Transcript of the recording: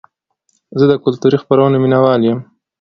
زه د کلتوري خپرونو مینهوال یم.